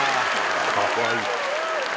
かわいい。